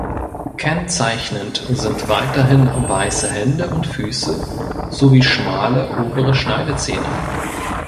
Kennzeichnend sind weiterhin weiße Hände und Füße sowie schmale obere Schneidezähne.